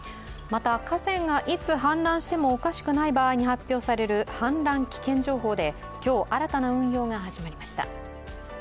また河川がいつ氾濫してもおかしくない場合に発表される氾濫危険情報で今日新たな運用が始まりました。